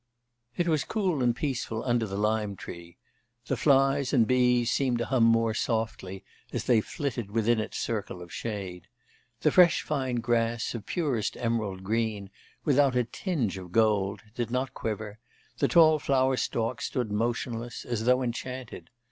It was cool and peaceful under the lime tree; the flies and bees seemed to hum more softly as they flitted within its circle of shade. The fresh fine grass, of purest emerald green, without a tinge of gold, did not quiver, the tall flower stalks stood motionless, as though enchanted.